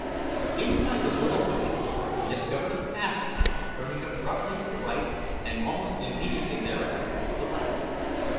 Inside the doorway he discovered a passage turning abruptly to the right and almost immediately thereafter to the left.